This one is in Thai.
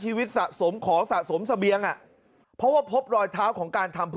หาวหาวหาวหาวหาวหาวหาวหาวหาว